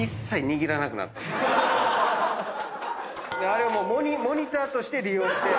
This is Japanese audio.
あれをモニターとして利用して。